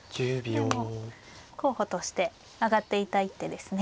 これも候補として挙がっていた一手ですね。